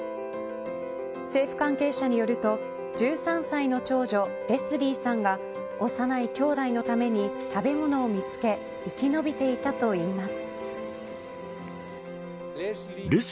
政府関係者によると１３歳の長女、レスリーさんが幼いきょうだいのために食べ物を見つけ生き延びていたといいます。